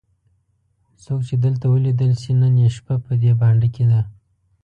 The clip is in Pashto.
څوک چې دلته ولیدل شي نن یې شپه په دې بانډه کې ده.